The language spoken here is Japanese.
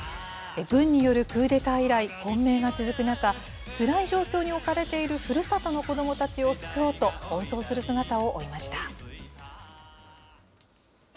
軍によるクーデター以来、混迷が続く中、つらい状況に置かれているふるさとの子どもたちを救おうと、奔走する姿を追いました。